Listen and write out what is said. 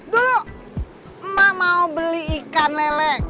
dulu emak mau beli ikan lele